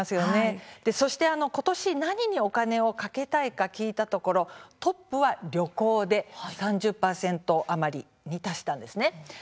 そして、ことし何にお金をかけたいか聞いたところ、トップは旅行で３０％余りに達しました。